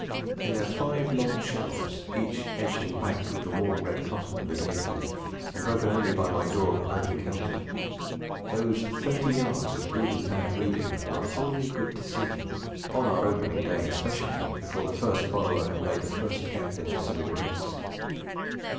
In their five long shelves, each edged and backed with the warm red cotton of the dado, and broken only by my door behind the counter, those thirty yards of good and bad reading were wholly good to see, on our opening day especially, before the first borrower had made the first gap in their serried ranks.